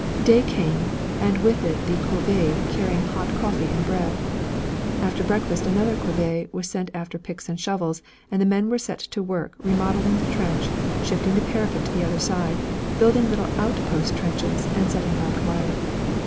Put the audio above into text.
Day came, and with it the corvée carrying hot coffee and bread. After breakfast another corvée was sent after picks and shovels, and the men were set to work remodeling the trench, shifting the parapet to the other side, building little outpost trenches and setting barbed wire.